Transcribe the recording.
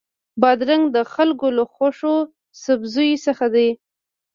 بادرنګ د خلکو له خوښو سبزیو څخه دی.